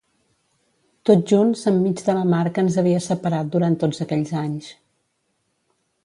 Tots junts enmig de la mar que ens havia separat durant tots aquells anys.